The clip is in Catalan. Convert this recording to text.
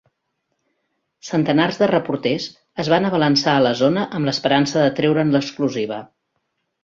Centenars de reporters es van abalançar a la zona amb l'esperança de treure'n l'exclusiva.